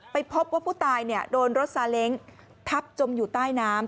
พบว่าผู้ตายโดนรถซาเล้งทับจมอยู่ใต้น้ำ